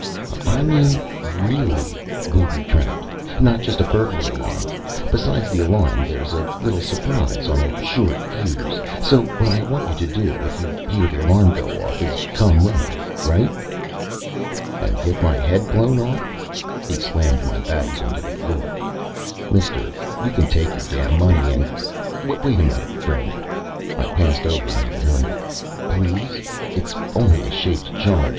"I mean really booby trapped. Not just a burglar alarm. Besides the alarm, there's a little surprise on a short fuse. So what I want you to do, if you hear the alarm go off, is come running. Right?" "And get my head blown off?" He slammed my bags onto the floor. "Mister, you can take your damn money and " "Wait a minute, friend." I passed over another hundred. "Please? It's only a shaped charge.